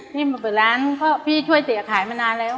มาเปิดร้านเพราะพี่ช่วยเสียขายมานานแล้ว